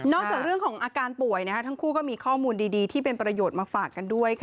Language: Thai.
นอกจากเรื่องอาการป่วยทั้งคู่ก็มีข้อมูลดีที่ประโยชน์มาฝากกันด้วย